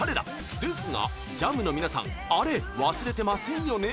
ですが、ＪＡＭの皆さんあれ、忘れてませんよね？